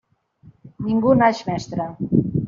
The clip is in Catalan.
Ningú naix mestre.